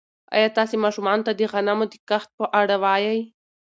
ایا تاسي ماشومانو ته د غنمو د کښت په اړه وایئ؟